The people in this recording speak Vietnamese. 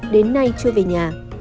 đến nay chưa về nhà